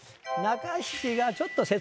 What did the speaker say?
中七が。